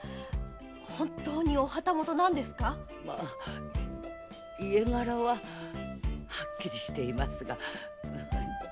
まあ家柄ははっきりしていますが実家となると。